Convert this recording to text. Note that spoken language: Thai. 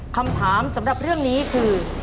คำถามสำหรับเรื่องนี้คือ